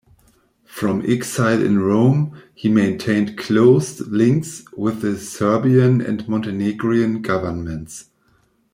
From exile in Rome, he maintained close links with the Serbian and Montenegrin governments.